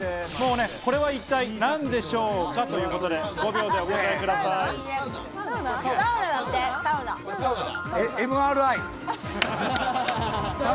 これは一体何でしょうか？ということで、５秒でお答えＭＲＩ。